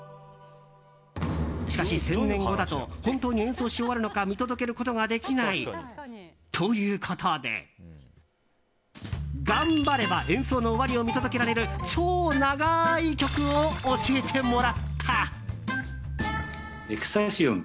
しかし、１０００年後だと本当に演奏し終わるのか見届けることができないということで頑張れば演奏の終わりを見届けられる超長い曲を教えてもらった。